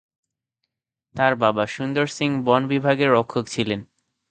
তাঁর বাবা সুন্দর সিং বন বিভাগের রক্ষক ছিলেন।